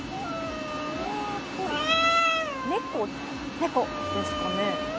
猫ですかね？